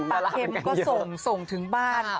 ตาเข็มก็ส่งถึงบ้าน